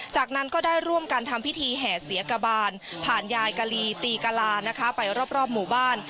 จากนั้นก็ได้ร่วมกันทำพิธีแห่เสียกบานผ่านยายกะลีตีกะลานะคะไปรอบหมู่บ้าน